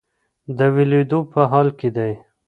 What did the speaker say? د ویلیدو په حال کې دی.